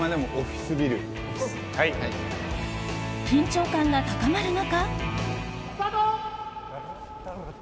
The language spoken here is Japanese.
緊張感が高まる中。